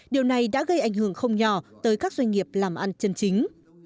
điều này đã gây ảnh hưởng không nhỏ tới các doanh nghiệp làm ăn chân chính